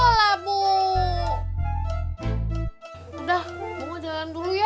udah bunga jalan dulu ya